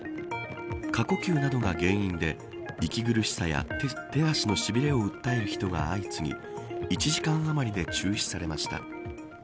過呼吸などが原因で息苦しさや手足のしびれを訴える人が相次ぎ１時間あまりで中止されました。